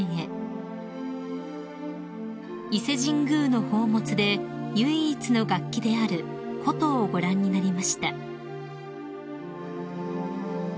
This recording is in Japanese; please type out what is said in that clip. ［伊勢神宮の宝物で唯一の楽器である琴をご覧になりました］